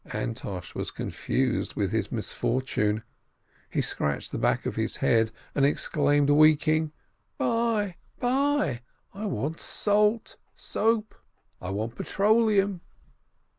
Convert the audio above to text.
Antosh was confused with his misfortune, he scratched the back of his head, and exclaimed, weeping: "Buy! Buy! I want salt, soap! I want petroleum."